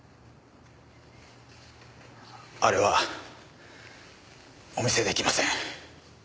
あれはお見せできません。